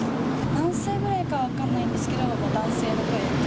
何歳ぐらいか分かんないんですけど、男性の声。